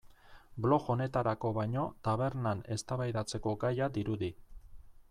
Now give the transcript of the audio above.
Blog honetarako baino tabernan eztabaidatzeko gaia dirudi.